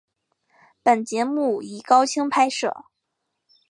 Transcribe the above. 本节目以高清拍摄。